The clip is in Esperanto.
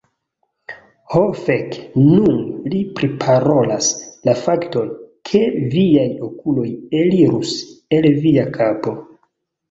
Ho fek. Nun li priparolas la fakton, ke viaj okuloj elirus el via kapo.